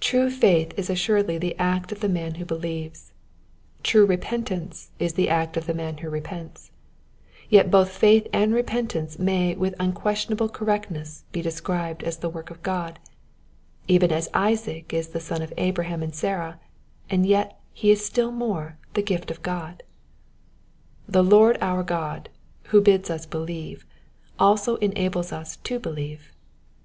True faith is assuredly the act of the man who believes ; true repentance is the act of the man who repents ; yet both faith and repentance may with unquestion able correctness be described as the work of God, even as Isaac is the son of Abraham and Sarah, and yet he is still more the gift of God. The Lord our God, who bids us believe, also enables us to believe.